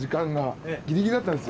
ギリギリだったんですよ